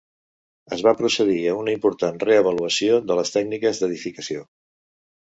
Es va procedir a una important reavaluació de les tècniques d'edificació.